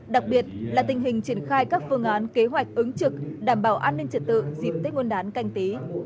đặc biệt là tình hình triển khai các phương án kế hoạch ứng trực đảm bảo an ninh trật tự dịp tết nguyên đán canh tí